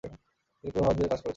এটি পুরো ভারত জুড়ে কাজ করছে।